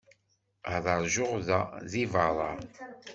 Ad ṛjuɣ da, deg beṛṛa.